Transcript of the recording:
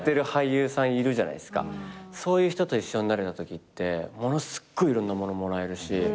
そういう人と一緒になれたときってものすっごいいろんなものもらえるし。